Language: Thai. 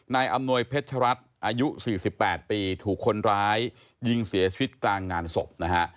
อำนวยเพชรัตน์อายุ๔๘ปีถูกคนร้ายยิงเสียชีวิตกลางงานศพนะฮะ